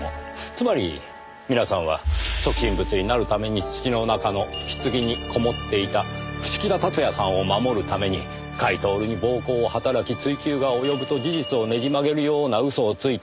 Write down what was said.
つまり皆さんは即身仏になるために土の中の棺にこもっていた伏木田辰也さんを守るために甲斐享に暴行を働き追及が及ぶと事実をねじ曲げるような嘘をついた。